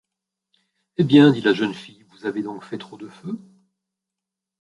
Eh bien ! dit la jeune fille, vous avez donc fait trop de feu ?